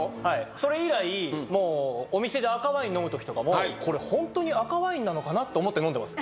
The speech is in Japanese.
それ以来もうお店で赤ワイン飲む時とかもこれ本当に赤ワインなのかな？と思って飲んでます